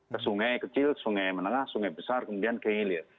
ke sungai kecil sungai menengah sungai besar kemudian ke hilir